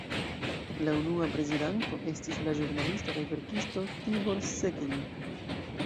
La unua prezidanto estis la ĵurnalisto kaj verkisto Tibor Sekelj.